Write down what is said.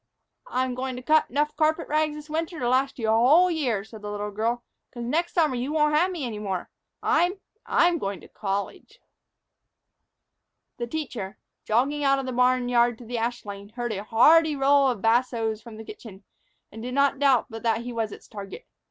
"I'm going to cut 'nough carpet rags this winter to last you a whole year," said the little girl, "'cause next summer you won't have me any more. I'm I'm going to college." THE teacher, jogging out of the barn yard to the ash lane, heard a hearty roll of bassos from the kitchen, and did not doubt but that he was its target.